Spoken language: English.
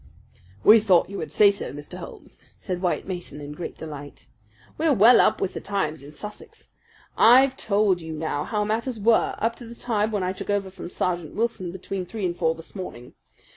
"I thought you would say so, Mr. Holmes," said White Mason in great delight. "We're well up with the times in Sussex. I've told you now how matters were, up to the time when I took over from Sergeant Wilson between three and four this morning.